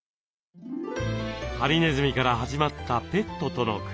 ハリネズミから始まったペットとの暮らし。